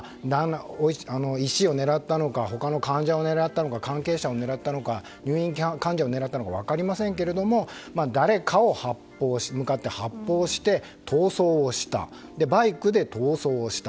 医師を狙ったのか他の患者を狙ったのか関係者を狙ったのか入院患者を狙ったのか分かりませんけれども誰かに発砲してバイクで逃走をした。